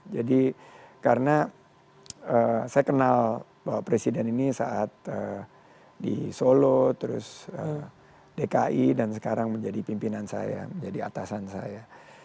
jadi karena saya kenal pak presiden ini saat di solo terus dki dan sekarang menjadi pimpinan saya menjadi atasan saya